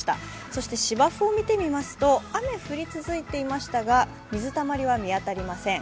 そして芝生を見てみますと、雨が降り続いていましたが、水たまりは見当たりません。